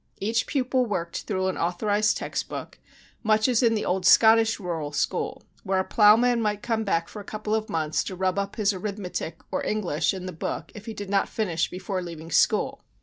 Each pupil worked through an authorized text book, much as in the old Scottish rural school, when a plowman might come back for a couple of months to rub up his arithmetic or English in the book if he did not finish before leaving school.